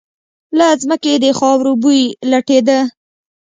له ځمکې د خاورو بوی لټېده.